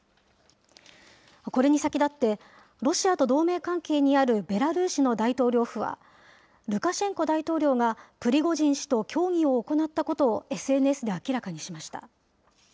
これに先立って、ロシアと同盟関係にあるベラルーシの大統領府は、ルカシェンコ大統領がプリゴジン氏と協議を行ったことをＳＮＳで明らかにしました。